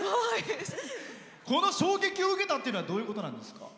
この衝撃を受けたっていうのはどういうことなんですか？